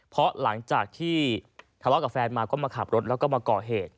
เพราะหลังจากที่ทะเลาะกับแฟนมาก็มาขับรถแล้วก็มาก่อเหตุ